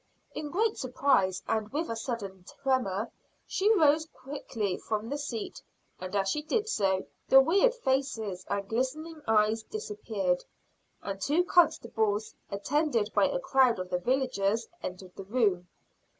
In great surprise, and with a sudden tremor, she rose quickly from the seat; and, as she did so, the weird faces and glistening eyes disappeared, and two constables, attended by a crowd of the villagers, entered the room.